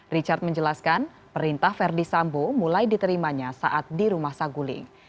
richard menjelaskan perintah verdi sambo mulai diterimanya saat di rumah saguling